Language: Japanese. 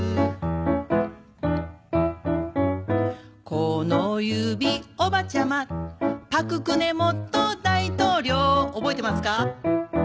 「このゆびおばちゃまパク・クネ元大統領」覚えてますか？